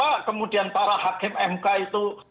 apa kemudian para hakim itu